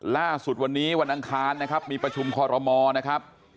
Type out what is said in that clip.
ล่าสุดวันนี้วันอังคารนะครับมีประชุมคอรมอนะครับ